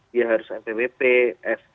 dia harus npwp f